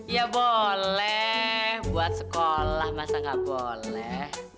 ya boleh buat sekolah masa nggak boleh